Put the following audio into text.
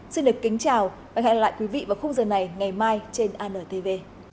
xin được kính chào và hẹn gặp lại quý vị vào khung giờ này ngày mai trên antv